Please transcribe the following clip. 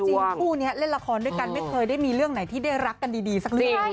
คู่นี้เล่นละครด้วยกันไม่เคยได้มีเรื่องไหนที่ได้รักกันดีสักเรื่อง